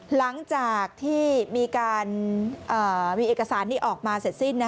หลังจากที่มีการมีเอกสารนี้ออกมาเสร็จสิ้น